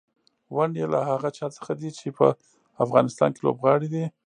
ونډې یې له هغه چا څخه دي چې په افغانستان کې لوبغاړي دي.